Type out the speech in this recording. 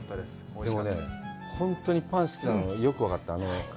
でもね、本当にパン好きなのがよく分かった。